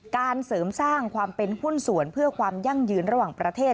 การเสริมสร้างความเป็นหุ้นส่วนเพื่อความยั่งยืนระหว่างประเทศ